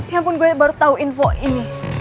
ya ampun gue baru tahu info ini